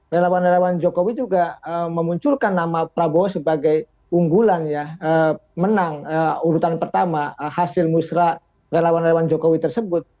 relawan relawan jokowi juga memunculkan nama prabowo sebagai unggulan ya menang urutan pertama hasil musrah relawan relawan jokowi tersebut